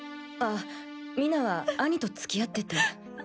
あ水菜は兄と付き合ってて。